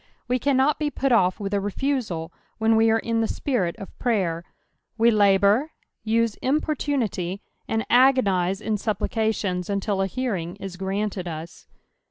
We can not be pat off with a refusal when we are in the snirit of {traycr ; we Isboar, use importunity, ■nd agonise in aupplicatiDns until a Hearing is granted us.